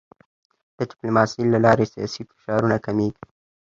د ډیپلوماسی له لارې سیاسي فشارونه کمېږي.